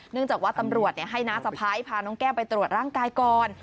จากว่าตำรวจให้น้าสะพ้ายพาน้องแก้วไปตรวจร่างกายก่อน